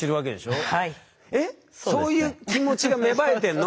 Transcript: そういう気持ちが芽生えてんの？